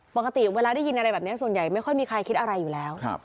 ปกติเวลาได้ยินอะไรแบบนี้ส่วนใหญ่ไม่ค่อยมีใครคิดอะไรอยู่แล้ว